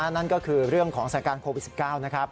นั่นก็คือเรื่องของสถานการณ์โควิด๑๙นะครับ